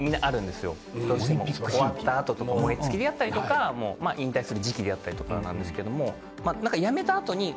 終わったあととか燃え尽きであったりとか引退する時期であったりとかなんですけども。